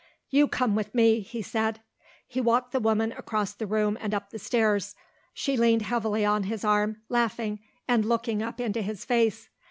"You come with me," he said. He walked the woman across the room and up the stairs. She leaned heavily on his arm, laughing, and looking up into his face.